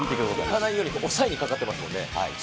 浮かないように押さえにかかってますもんね。